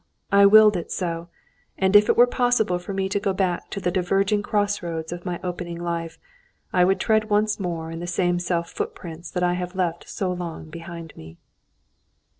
I willed it so, and if it were possible for me to go back to the diverging cross roads of my opening life, I would tread once more in the self same footprints that I have left so long behind me.